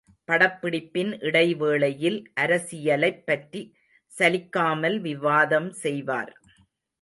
படப்பிடிப்பின் இடைவேளையில் அரசியலைப் பற்றி சலிக்காமல் விவாதம் செய்வார்.